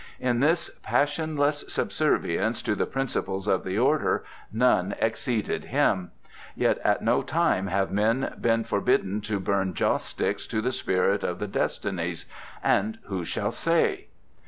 In this passionless subservience to the principles of the Order none exceeded him; yet at no time have men been forbidden to burn joss sticks to the spirit of the destinies, and who shall say?